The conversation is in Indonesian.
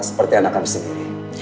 seperti anak kami sendiri